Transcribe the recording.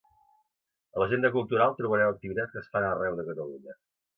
A l'Agenda Cultural trobareu activitats que es fan arreu de Catalunya.